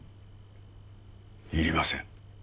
いりません。